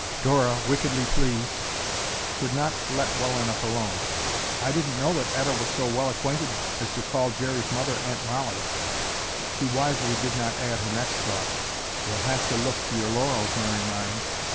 Dora, wickedly pleased, could not let well enough alone. "I didn't know that Etta was so well acquainted as to call Jerry's mother Aunt Mollie." She wisely did not add her next thought, "You'll have to look to your laurels, Mary mine.